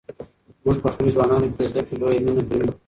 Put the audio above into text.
موږ په خپلو ځوانانو کې د زده کړې لویه مینه وینو.